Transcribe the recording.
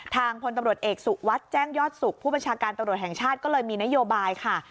พลตำรวจเอกสุวัสดิ์แจ้งยอดสุขผู้บัญชาการตำรวจแห่งชาติก็เลยมีนโยบายค่ะ